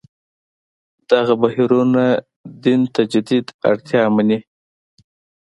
دغه بهیرونه دین تجدید اړتیا مني.